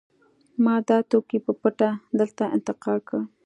ما دا توکي په پټه دلته انتقال کړل